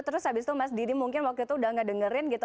terus abis itu mbak didi mungkin waktu itu udah nggak dengerin gitu